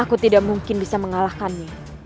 aku tidak mungkin bisa mengalahkannya